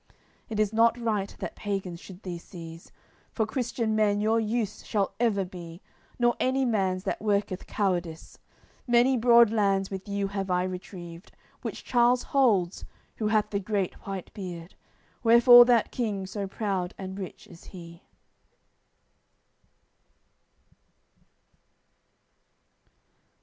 It is not right that pagans should thee seize, For Christian men your use shall ever be. Nor any man's that worketh cowardice! Many broad lands with you have I retrieved Which Charles holds, who hath the great white beard; Wherefore that King so proud and rich is he."